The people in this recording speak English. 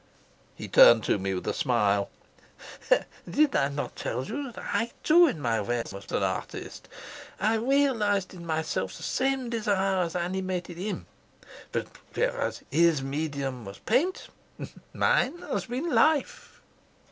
He turned to me with a smile. "Did I not tell you that I, too, in my way was an artist? I realised in myself the same desire as animated him. But whereas his medium was paint, mine has been life."